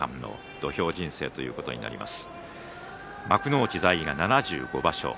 幕内在位が７５場所。